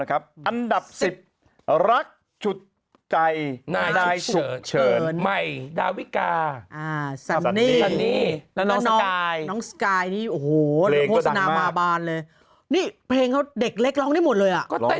อ่ะได้เชิญใหม่ดาวิกาอ่าราวอาวานเลยนี่เพลงก่อนเด็กเล็กร้องได้หมดเลย